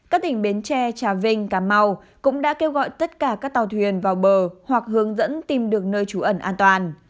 các tỉnh bến tre trà vinh cà mau cũng đã kêu gọi tất cả các tàu thuyền vào bờ hoặc hướng dẫn tìm được nơi trú ẩn an toàn